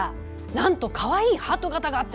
なんと、かわいいハート形がと。